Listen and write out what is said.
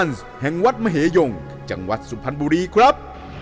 เว้ยมันแห่งวัดมหาโยงจังหวัดสุพรรณบุรีครับ